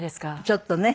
ちょっとね。